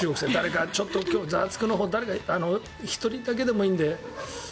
「ザワつく！」のほう１人だけでもいいので。